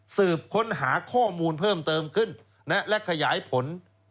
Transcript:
สืบค้นหาข้อมูลเพิ่มเติมขึ้นและขยายผล